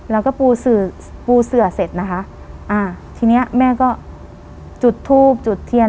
แล้วก็ปูสื่อปูเสือเสร็จนะคะอ่าทีเนี้ยแม่ก็จุดทูบจุดเทียน